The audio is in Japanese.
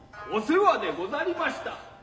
お世話でござりました。